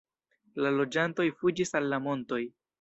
La loĝantoj fuĝis al la montoj.